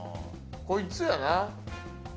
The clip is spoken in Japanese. こいつやな。